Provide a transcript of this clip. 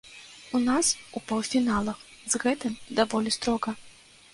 У нас у паўфіналах з гэтым даволі строга.